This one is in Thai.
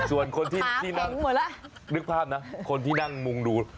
ส่วนคนที่นั่งนึกภาพนะคนที่นั่งมุงดู